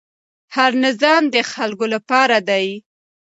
هر نظام د خلکو لپاره دی